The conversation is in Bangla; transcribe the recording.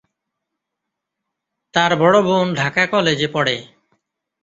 তার বড় বোন ঢাকা কলেজে পড়ে।